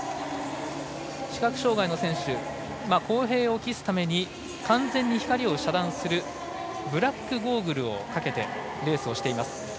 視覚障がいの選手公平を期すために完全に光を遮断するブラックゴーグルをかけてレースをしています。